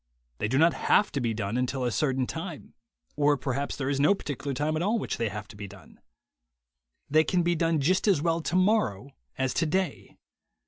They do not have to be done until a certain time, or perhaps there is no particular time at all at which they have to be done. They can be done just as well tomorrow as today.